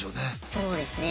そうですね。